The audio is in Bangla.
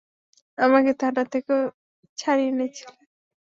আমাকে থানা থেকেও ছাড়িয়ে এনেছিলে।